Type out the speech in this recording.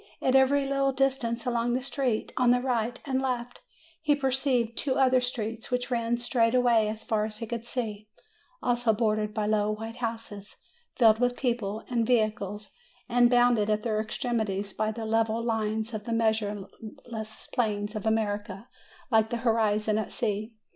At every little distance along the street, on the right and left, he perceived two other streets which ran straight away as far as he could see, also bordered by low white houses, filled with people and vehicles, and 262 MAY bounded at their extremity by the level line of the measureless plains of America, like the horizon at sea.